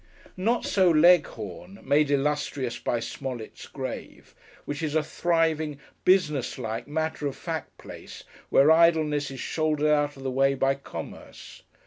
Not so Leghorn (made illustrious by SMOLLETT'S grave), which is a thriving, business like, matter of fact place, where idleness is shouldered out of the way by commerce.